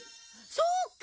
そうか！